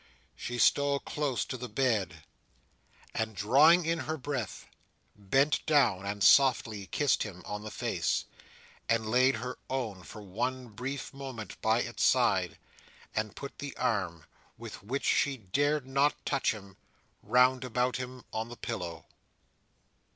She stole close to the bed, and drawing in her breath, bent down, and softly kissed him on the face, and laid her own for one brief moment by its side, and put the arm, with which she dared not touch him, round about him on the pillow.